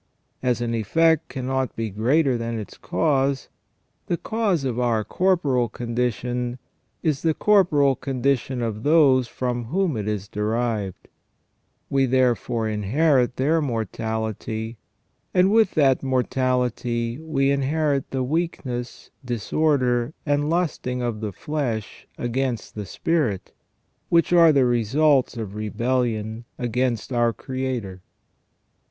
As an effect cannot be greater than its cause, the cause of our corporal condition is the corporal condition of those from whom it is derived ; we therefore inherit their mortality, and with that mortality we inherit the weakness, disorder, and lusting of the flesh against the spirit, which are the results of rebellion against our Creator.